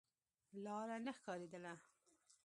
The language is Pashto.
لاره نه ښکارېدله.